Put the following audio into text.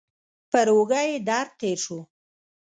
پر اوږه یې درد تېر شو.